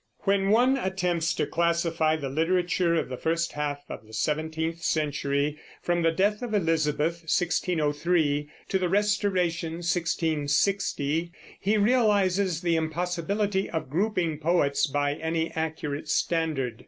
When one attempts to classify the literature of the first half of the seventeenth century, from the death of Elizabeth (1603) to the Restoration (1660), he realizes the impossibility of grouping poets by any accurate standard.